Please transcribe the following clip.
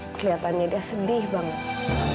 kelihatannya dia sedih banget